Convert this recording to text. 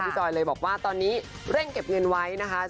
จอยเลยบอกว่าตอนนี้เร่งเก็บเงินไว้นะคะ